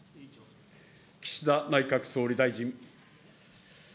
岸田内閣総理大臣。